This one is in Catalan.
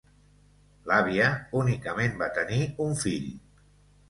L'àvia únicament va tenir un fill.